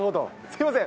すみません。